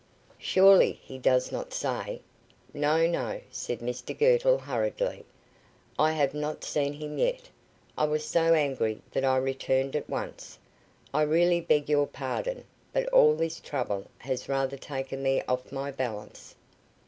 Surely he does not say " "No, no," said Mr Girtle, hurriedly. "I have not seen him yet. I was so angry that I returned at once. I really beg your pardon, but all this trouble has rather taken me off my balance."